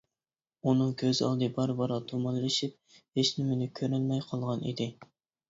ئۇنىڭ كۆز ئالدى بارا-بارا تۇمانلىشىپ ھېچنېمىنى كۆرەلمەي قالغان ئىدى.